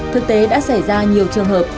thực tế đã xảy ra nhiều trường hợp